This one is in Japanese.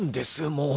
もう。